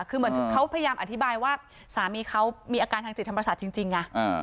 คือเหมือนเขาพยายามอธิบายว่าสามีเขามีอาการทางจิตธรรมศาสตร์จริงไง